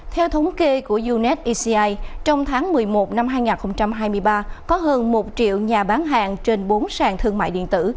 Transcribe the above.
theo thống kê của uned eci trong tháng một mươi một năm hai nghìn hai mươi ba có hơn một triệu nhà bán hàng trên bốn sàn thương mại điện tử